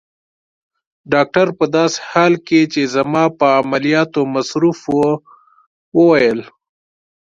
ډاکټر په داسې حال کې چي زما په عملیاتو مصروف وو وویل.